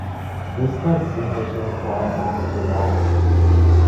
This led Singer to inquire as to why.